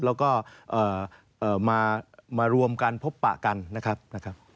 แล้วก็มารวมกันพบปะกันนะครับ